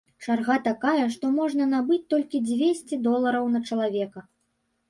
Чарга такая, што можна набыць толькі дзвесце долараў на чалавека.